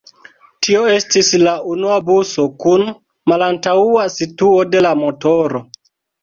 Tio estis la unua buso kun malantaŭa situo de la motoro.